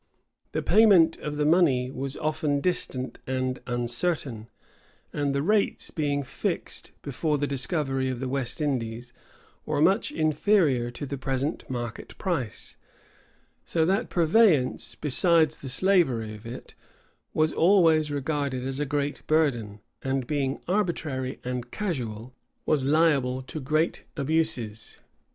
The payment of the money was often distant and uncertain; and the rates, being fixed before the discovery of the West Indies, were much inferior to the present market price; so that purveyance, besides the slavery of it, was always regarded as a great burden, and being arbitrary and casual, was liable to great abuses.